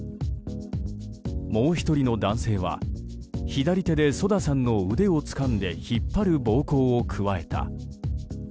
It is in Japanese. もう１人の男性は、左手でＳＯＤＡさんの腕をつかんで引っ張る暴行を加えた。